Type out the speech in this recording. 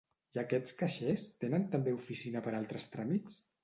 I aquests caixers tenen també oficina per a altres tràmits?